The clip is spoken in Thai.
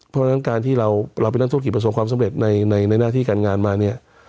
เพราะฉะนั้นการที่เราเป็นนักธุรกิจประสบความสำเร็จในหน้าที่การงานมาเนี่ย